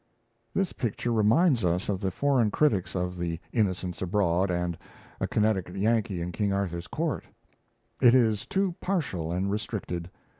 This picture reminds us of the foreign critics of 'The Innocents Abroad' and 'A Connecticut Yankee in King Arthur's Court': it is too partial and restricted.